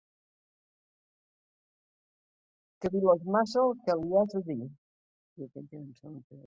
Cavil·les massa el que li has de dir.